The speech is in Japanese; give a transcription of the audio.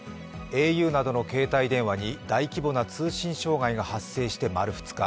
ａｕなどの携帯電話に大規模な通信障害が発生して丸２日。